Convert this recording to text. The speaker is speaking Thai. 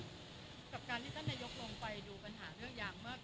กับการที่ท่านนายกลงไปดูปัญหาเรื่องยางมาก